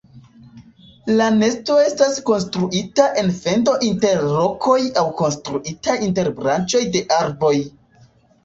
La nesto estas konstruita en fendo inter rokoj aŭ konstruita inter branĉoj de arboj.